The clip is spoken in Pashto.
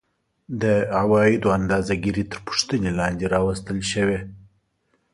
د عوایدو اندازه ګیري تر پوښتنې لاندې راوستل شوې